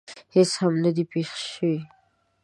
هېڅ هم نه دي پېښ شوي.